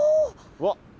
うわっ！